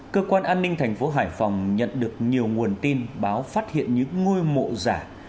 cơ quan an ninh thành phố hải phòng nhận được nhiều nguồn tin báo phát hiện những ngôi mộ giả